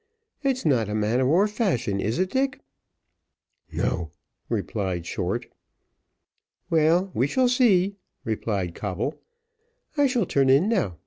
It's not a man of war fashion, is it, Dick?" "No," replied Short. "Well, we shall see," replied Coble. "I shall turn in now.